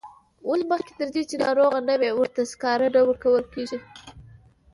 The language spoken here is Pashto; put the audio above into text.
ولې مخکې تر دې چې ناروغه نه وي ورته سکاره نه ورکول کیږي.